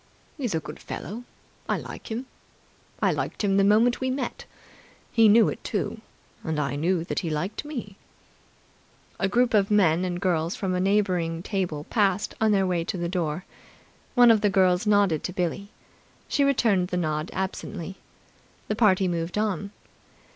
"He's a good fellow. I like him. I liked him the moment we met. He knew it, too. And I knew he liked me." A group of men and girls from a neighbouring table passed on their way to the door. One of the girls nodded to Billie. She returned the nod absently. The party moved on.